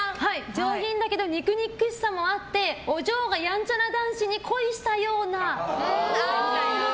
上品だけど肉々しさもあってお嬢がやんちゃな男子に恋したような。